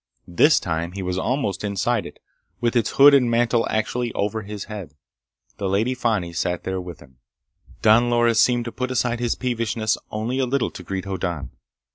This time he was almost inside it, with its hood and mantel actually over his head. The Lady Fani sat there with him. Don Loris seemed to put aside his peevishness only a little to greet Hoddan.